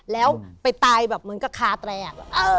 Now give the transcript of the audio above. แล้วไปตายแบบเหมือนกับคาแตร